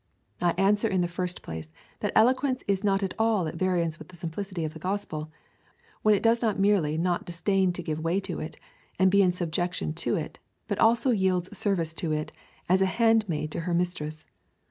I answer in the first place, that eloquence is not at all at variance with the simplicity of the gospel, when it does not merely not disdain to give Avay to it, and be in subjection to it, but also yields service to it, as a handmaid to her mistress.